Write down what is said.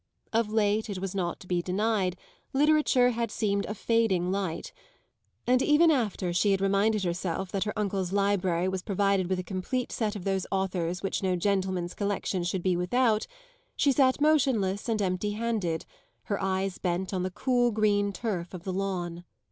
Of late, it was not to be denied, literature had seemed a fading light, and even after she had reminded herself that her uncle's library was provided with a complete set of those authors which no gentleman's collection should be without, she sat motionless and empty handed, her eyes bent on the cool green turf of the lawn.